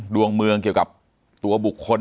ดวงเมืองเกี่ยวกับตัวบุคคล